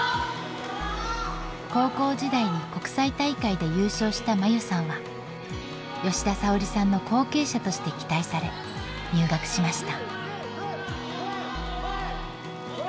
高校時代に国際大会で優勝した真優さんは吉田沙保里さんの後継者として期待され入学しました。